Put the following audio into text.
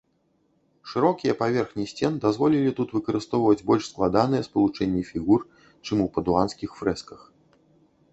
Шырокія паверхні сцен дазволілі тут выкарыстоўваць больш складаныя спалучэнні фігур, чым у падуанскіх фрэсках.